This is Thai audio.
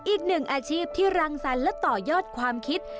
อีกหนึ่งอาชีพที่รังสรรค์และต่อยอดความคิด